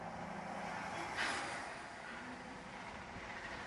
Prostřednictvím dokumentu chceme také podpořit vzdělávání a výměnu studentů.